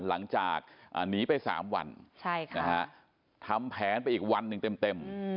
หลังจากหนีไป๓วันทำแผนไปอีกวันหนึ่งเต็ม